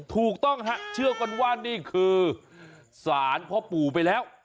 ถูกต้องฮะเชื่อกันว่านี่คือสารพ่อปู่ไปแล้ว